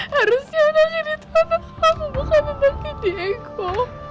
harusnya anaknya di tanah aku bukan nanti diego